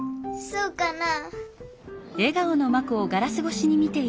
そうかな？